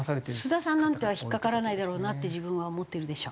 須田さんなんかは引っ掛からないだろうなって自分は思ってるでしょ？